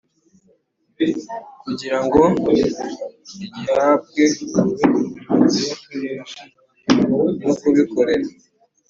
kugira ngo agihabwe nukubikorera